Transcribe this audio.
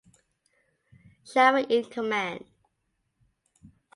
Schaffer in command.